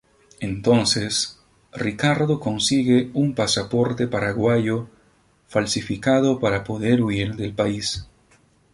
Entonces Ricardo consigue un pasaporte paraguayo falsificado para poder huir del país.